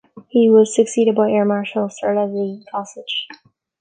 He was succeeded by Air Marshal Sir Leslie Gossage.